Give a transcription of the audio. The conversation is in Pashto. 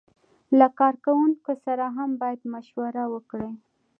له کارکوونکو سره هم باید مشوره وکړي.